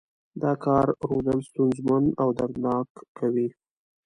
دا کار رودل ستونزمن او دردناک کوي.